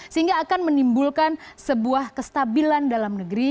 sehingga akan menimbulkan sebuah kestabilan dalam negeri